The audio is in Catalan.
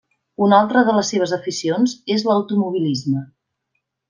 Una altra de les seves aficions és l'automobilisme.